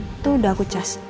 itu udah aku cas